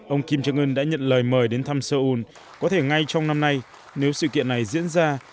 ông kim jong un đã nhận lời mời đến thăm seoul có thể ngay trong năm nay nếu sự kiện này diễn ra